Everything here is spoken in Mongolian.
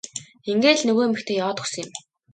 Ингээд л нөгөө эмэгтэй яваад өгсөн юм.